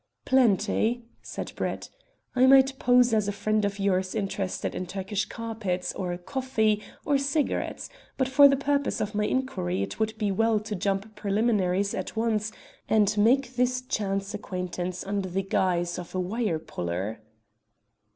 "Plenty," said Brett. "I might pose as a friend of yours interested in Turkish carpets, or coffee, or cigarettes, but for the purpose of my inquiry it would be well to jump preliminaries at once and make this chance acquaintance under the guise of a wire puller."